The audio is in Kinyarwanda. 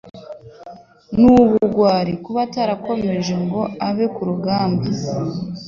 N'ubugwari kuba atarakomeje ngo abe ku rugamab